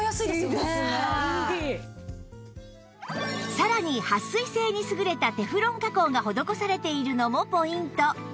さらにはっ水性に優れたテフロン加工が施されているのもポイント